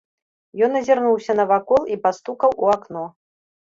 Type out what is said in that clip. Ён азірнуўся навакол і пастукаў у акно.